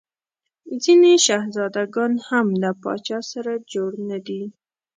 ځیني شهزاده ګان هم له پاچا سره جوړ نه دي.